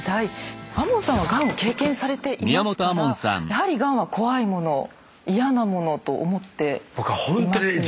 亞門さんはがんを経験されていますからやはりがんは怖いもの嫌なものと思っていますよね？